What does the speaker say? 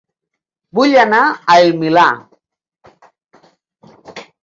Vull anar a El Milà